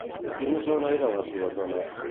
De quina zona eren les dues dones?